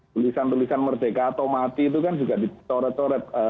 tulisan tulisan merdeka atau mati itu kan juga dicoret coret